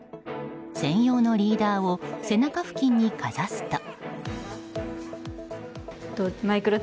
専用のリーダーを背中付近にかざすと。